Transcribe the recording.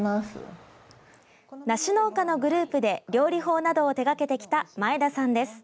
梨農家のグループで料理法などを手がけてきた前田さんです。